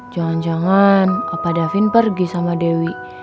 jangan jangan apa da vin pergi sama dewi